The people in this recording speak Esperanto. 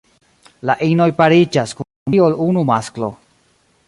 La inoj pariĝas kun pli ol unu masklo.